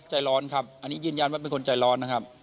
ใจร้อนครับอันนี้ยืนยันว่าเป็นคนใจร้อนนะครับ